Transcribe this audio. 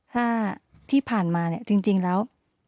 ถ้าที่ผ่านมาจริงแล้ว